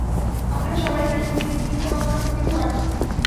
আপনারা সবাই জানেন যে সিম্বা কতটা প্রতিভাবান।